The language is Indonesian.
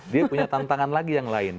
dia punya tantangan lagi yang lain